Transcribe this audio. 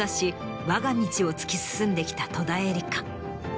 わが道を突き進んできた戸田恵梨香。